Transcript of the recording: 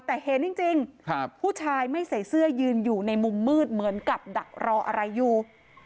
แต่เห็นจริงผู้ชายไม่ใส่เสื้อยืนอยู่ในมุมมืดเหมือนกับดักรออะไรอยู่